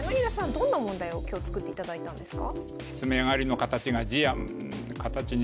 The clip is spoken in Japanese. どんな問題を今日作っていただいたんですか？